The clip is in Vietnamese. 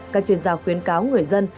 các chuyên gia khuyến cáo người dân